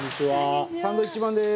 サンドウィッチマンです！